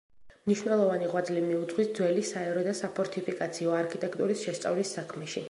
მნიშვნელოვანი ღვაწლი მიუძღვის ძველი საერო და საფორტიფიკაციო არქიტექტურის შესწავლის საქმეში.